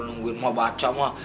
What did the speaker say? nungguin emak baca emak